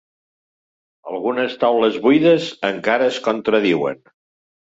Algunes taules buides encara es contradiuen.